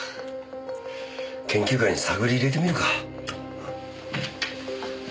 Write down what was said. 研究会に探り入れてみるか。